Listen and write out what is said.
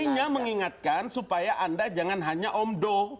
artinya mengingatkan supaya anda jangan hanya omdo